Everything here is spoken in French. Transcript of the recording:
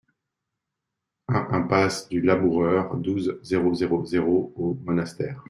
un impasse du Laboureur, douze, zéro zéro zéro au Monastère